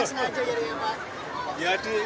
ini nggak sengaja ya pak